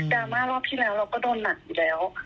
ราม่ารอบที่แล้วเราก็โดนหนักอยู่แล้ว